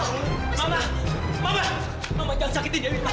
mama jangan sakiti dewi